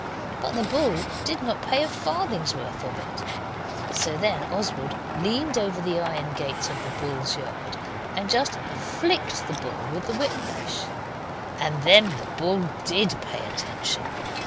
But the bull did not pay a farthing's worth of it. So then Oswald leaned over the iron gate of the bull's yard and just flicked the bull with the whiplash. And then the bull DID pay attention.